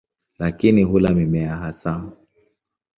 Lakini hula mimea hasa.